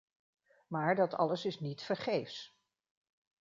Maar dat alles is niet vergeefs.